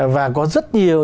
và có rất nhiều